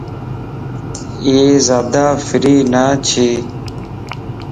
اي زيادا فري نه ڇي